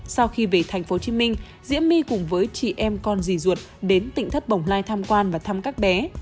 sau khi về tp hcm diễm my cùng với chị em con rì ruột đến tỉnh thất bồng lai tham quan và thăm các bé